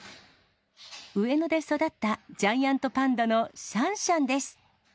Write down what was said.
上野で育ったジャイアントパンダのシャンシャンです。